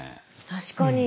確かに。